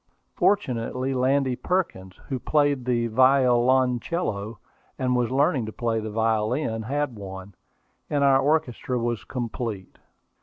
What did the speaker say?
Fortunately, Landy Perkins, who played the violoncello, and was learning to play the violin, had one, and our orchestra was complete.